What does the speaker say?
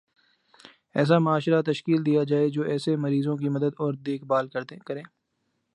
ایسا معاشرہ تشکیل دیا جائےجو ایسے مریضوں کی مدد اور دیکھ بھال کرے